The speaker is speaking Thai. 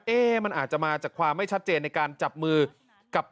มันอาจจะมาจากความไม่ชัดเจนในการจับมือกับ